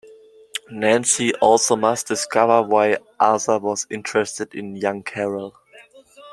Nancy also must discover why Asa was interested in young Carol.